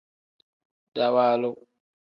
Dawaalu.